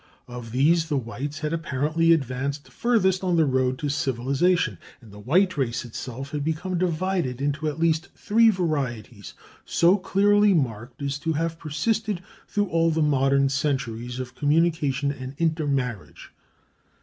Of these the whites had apparently advanced farthest on the road to civilization; and the white race itself had become divided into at least three varieties, so clearly marked as to have persisted through all the modern centuries of communication and intermarriage.